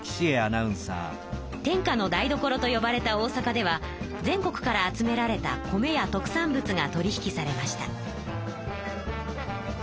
天下の台所とよばれた大阪では全国から集められた米や特産物が取り引きされました。